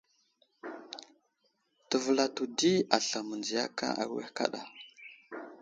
Təvəlato di aslam mənziya awehe kaɗa.